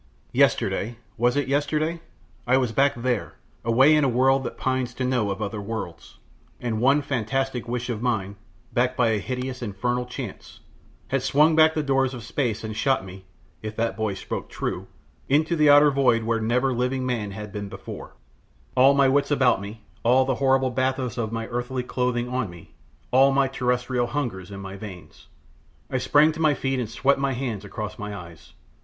Yesterday was it yesterday? I was back there away in a world that pines to know of other worlds, and one fantastic wish of mine, backed by a hideous, infernal chance, had swung back the doors of space and shot me if that boy spoke true into the outer void where never living man had been before: all my wits about me, all the horrible bathos of my earthly clothing on me, all my terrestrial hungers in my veins! I sprang to my feet and swept my hands across my eyes.